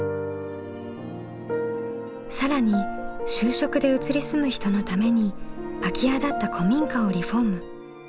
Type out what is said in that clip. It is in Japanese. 更に就職で移り住む人のために空き家だった古民家をリフォーム。